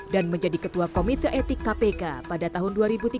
dan menjadi ketua komite etik kpk pada tahun dua ribu tiga belas